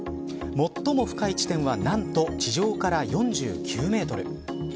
最も深い地点はなんと地上から４９メートル。